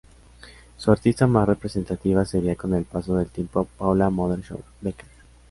Su artista más representativa sería con el paso del tiempo Paula Modersohn-Becker.